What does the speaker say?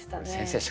先生